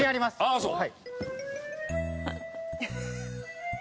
ああそう。